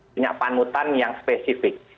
punya panutan yang spesifik